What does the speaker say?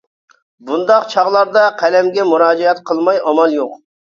بۇنداق چاغلاردا، قەلەمگە مۇراجىئەت قىلماي ئامال يوق.